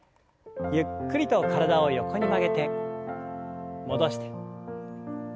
ゆっくりと体を横に曲げて戻して。